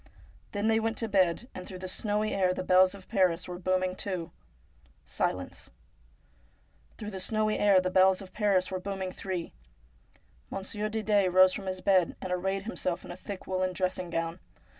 Then they went to bed, and through the snowy air the bells of Paris were booming two. Silence ! Through the snowy air the bells of Paris were booming three. Monsieur Didet rose from his bed, and arrayed himself in a thick woollen dressing gown.